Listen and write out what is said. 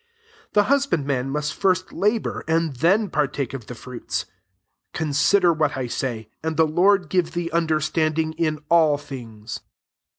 6 The husbandman must first labour, and then partake of the fruits. 7 Consider what I say ; and the Lord give thee under standing in all things.